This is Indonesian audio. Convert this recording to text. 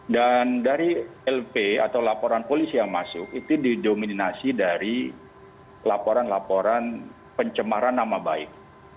dan dari lp atau laporan polisi yang masuk itu didominasi dari laporan laporan pencemaran nama baik